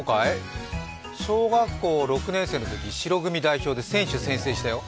小学校６年生のとき白組代表で選手宣誓したよ。